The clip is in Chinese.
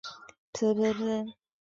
我有一股兴奋的感觉